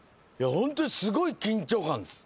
本当にすごい緊張感です